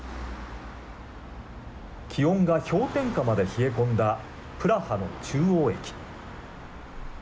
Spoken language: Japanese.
気温が氷点下まで冷え込んだプラハの中央駅。